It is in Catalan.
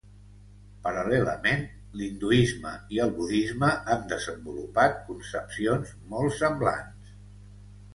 Paral·lelament l'hinduisme i el budisme han desenvolupat concepcions molt semblants.